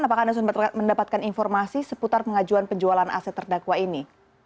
apakah anda sudah mendapatkan informasi seputar pengajuan penjualan aset terdakwa ini